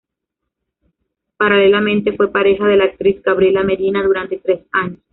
Paralelamente, fue pareja de la actriz Gabriela Medina durante tres años.